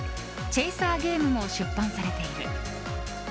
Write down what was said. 「チェイサーゲーム」も出版されている。